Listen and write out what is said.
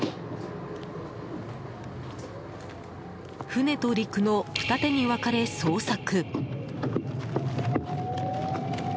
船と陸の二手に分かれ捜索。